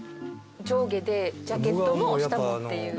上下でジャケットも下もっていう。